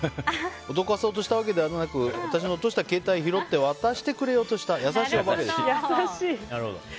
脅かそうとしたわけではなく私の落とした携帯を拾って渡してくれようとした優しい人でした。